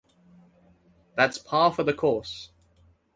That's par for the course.